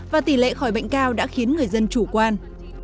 và tỷ lệ khỏi bệnh cao đã khiến người dân chủ quan